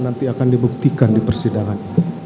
nanti akan dibuktikan di persidangan